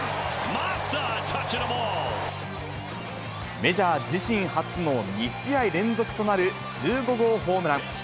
メジャー自身初の２試合連続となる１５号ホームラン。